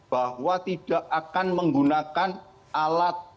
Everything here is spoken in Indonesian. bahwa tidak akan menggunakan alat